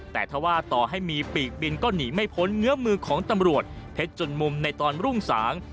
แต่ถ้าว่าต่อให้มีปีกบินก็หนีไม่พ้นเงื้อมือของตำรวจเพชรจนมุมในตอนรุ่งสาง